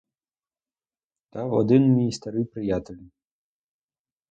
Дав один мій старий приятель.